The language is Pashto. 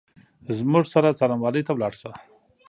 زموږ سره څارنوالۍ ته ولاړ شه !